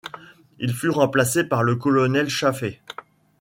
Il fut remplacé par le colonel Chaffee.